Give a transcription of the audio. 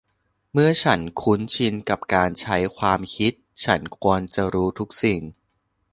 เมื่อฉันคุ้นชินกับการใช้ความคิด ฉันควรจะรู้ทุกสิ่ง